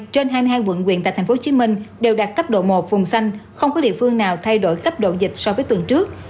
trên hai mươi hai quận quyện tại tp hcm đều đạt cấp độ một vùng xanh không có địa phương nào thay đổi cấp độ dịch so với tuần trước